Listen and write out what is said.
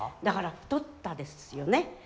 だから太ったですよね。